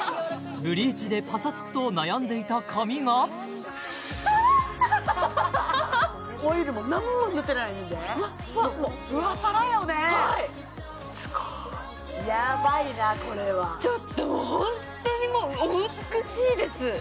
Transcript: ブリーチでパサつくと悩んでいた髪がオイルも何も塗ってないねんでフワサラよねはいすごいヤバいなこれはちょっとホントにもうお美しいです